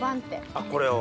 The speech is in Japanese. あっこれを。